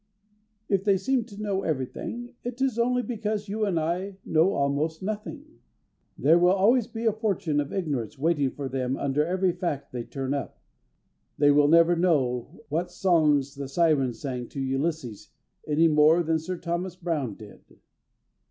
If they seem to know everything, it is only because you and I know almost nothing. There will always be a fortune of ignorance waiting for them under every fact they turn up. They will never know what song the Sirens sang to Ulysses any more than Sir Thomas Browne did.